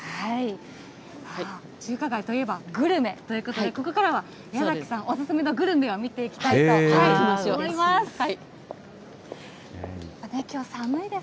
中華街といえばグルメということで、ここからは、矢崎さんお勧めのグルメを見ていきたいと思います。